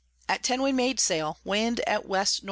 At ten we made sail, Wind at W N W.